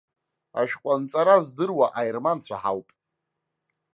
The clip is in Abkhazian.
Ашәҟәы анҵара здыруа аерманцәа ҳауп.